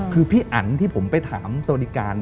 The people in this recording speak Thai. คือพี่อันที่ผมไปถามสวัสดิการ